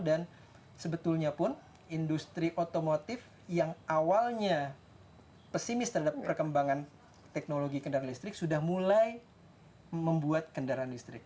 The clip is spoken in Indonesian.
dan sebetulnya pun industri otomotif yang awalnya pesimis terhadap perkembangan teknologi kendaraan listrik sudah mulai membuat kendaraan listrik